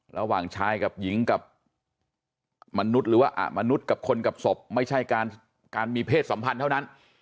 ระหว่างชายกับหญิงกับมนุษย์หรือว่ามนุษย์กับคนกับศพไม่ใช่การมีเพศสัมพันธ์เท่านั้น